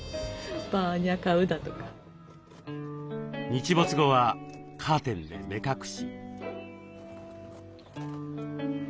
日没後はカーテンで目隠し。